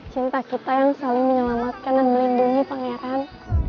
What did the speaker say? cinta kita yang saling menyelamatkan dan melindungi pangeran